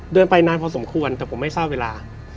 เดินไปนานพอสมควรแต่ผมไม่ทราบเวลา